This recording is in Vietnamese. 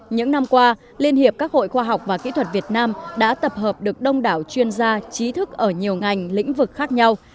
những năm qua liên hiệp các hội khoa học và kỹ thuật việt nam đã tập hợp được đông đảo chuyên gia trí thức ở nhiều ngành lĩnh vực khác nhau